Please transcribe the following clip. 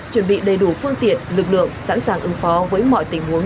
chuẩn bị đầy đủ phương tiện lực lượng sẵn sàng ứng phó với mọi tình huống